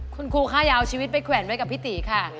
คุณครูค่ะอย่าเอาชีวิตไปแขวนไว้กับพี่ตีค่ะ